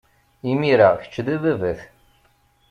Imir-a, kečč d ababat.